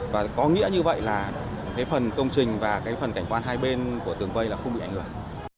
và có nghĩa như vậy là cái phần công trình và cái phần cảnh quan hai bên của tường quay là không bị ảnh hưởng